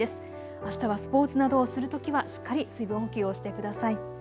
あしたはスポーツなどをするときはしっかり水分補給をしてください。